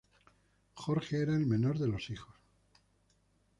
Jorge era el menor de los hijos.